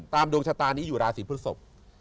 ดวงชะตานี้อยู่ราศีพฤศพ